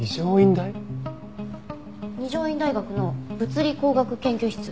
二条院大学の物理工学研究室。